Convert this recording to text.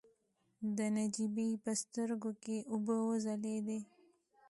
د نجيبې په سترګو کې اوبه وځلېدلې.